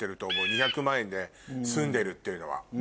２００万円で済んでるっていうのは。